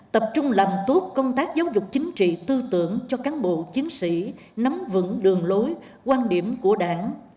tập trung làm tốt công tác giáo dục chính trị tư tưởng cho cán bộ chiến sĩ nắm vững đường lối quan điểm của đảng